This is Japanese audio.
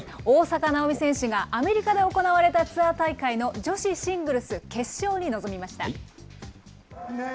大坂なおみ選手がアメリカで行われたツアー大会の女子シングルス決勝に臨みました。